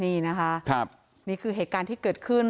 นี่นะคะนี่คือเหตุการณ์ที่เกิดขึ้น